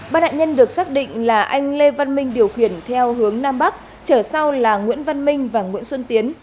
ba nạn nhân được xác định là anh lê văn minh điều khiển theo hướng nam bắc trở sau là nguyễn văn minh và nguyễn xuân tiến